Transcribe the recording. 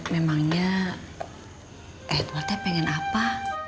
memangnya edwardnya pengen apa